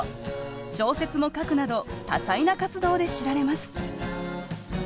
小説も書くなど多彩な活動で知られます。